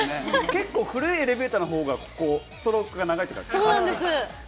結構古いエレベーターのほうがストローク長いというか。